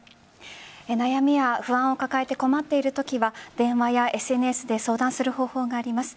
悩みや不安を抱えて困っているときは電話やＳＮＳで相談する方法があります。